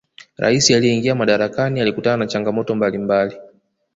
raisi aliyeingia madarakani alikutana na changamoto mbalimbali